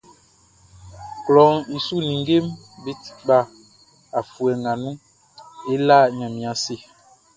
Klɔʼn i su ninngeʼm be ti kpa afuɛ nga nun, e la Ɲanmiɛn ase.